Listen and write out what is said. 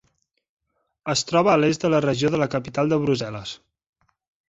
Es troba a l"est de la regió de la capital de Brussel·les.